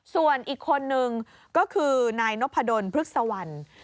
ส่วนอีกคนนึงก็คือนายนพดลพฤกษวรรณ